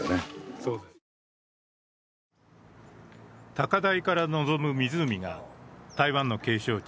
高台から望む湖が台湾の景勝地